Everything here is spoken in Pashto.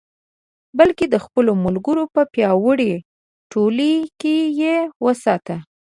بلکې د خپلو ملګرو په پیاوړې ټولۍ کې یې وساته.